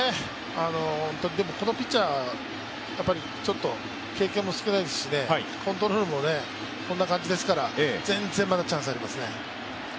このピッチャー、ちょっと経験も少ないですし、コントロールもこんな感じですから全然まだチャンスありますね。